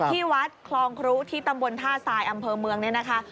ที่วัดคลองครุที่ตำบลท่าทรายอำเภอเมืองเนี่ยนะคะ